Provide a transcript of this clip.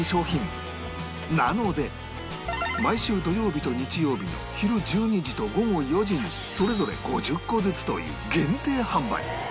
なので毎週土曜日と日曜日の昼１２時と午後４時にそれぞれ５０個ずつという限定販売